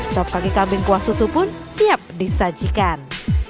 sop kaki kambing kuah susu pun siap disajikan